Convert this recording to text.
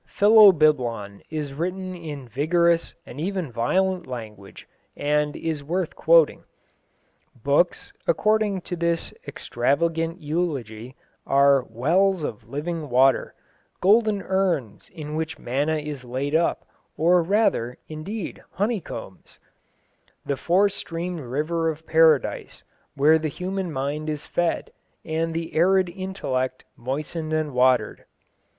Philobiblon is written in vigorous and even violent language, and is worth quoting. Books, according to this extravagant eulogy, are "wells of living water," "golden urns in which manna is laid up, or rather, indeed, honeycombs," "the four streamed river of Paradise, where the human mind is fed, and the arid intellect moistened and watered."